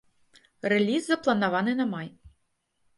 Рэліз запланаваны на май.